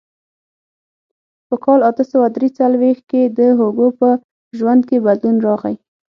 په کال اته سوه درې څلوېښت کې د هوګو په ژوند کې بدلون راغی.